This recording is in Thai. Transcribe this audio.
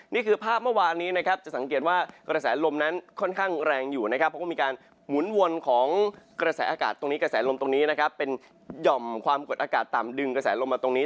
นี่คือภาพเมื่อวานนี้นะครับจะสังเกตว่ากระแสลมนั้นค่อนข้างแรงอยู่นะครับเพราะว่ามีการหมุนวนของกระแสอากาศตรงนี้กระแสลมตรงนี้นะครับเป็นหย่อมความกดอากาศต่ำดึงกระแสลมมาตรงนี้